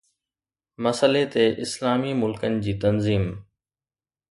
مسئلي تي اسلامي ملڪن جي تنظيم